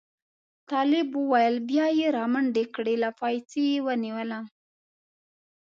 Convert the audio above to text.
طالب وویل بیا یې را منډې کړې له پایڅې یې ونیولم.